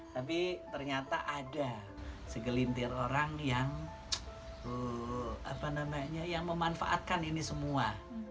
tapi ternyata ada segelintir orang yang memanfaatkan ini semua